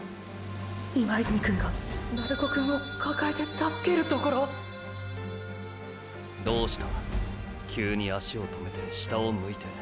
今泉くんが鳴子くんを抱えて助けるところどうした急に足を止めて下を向いて。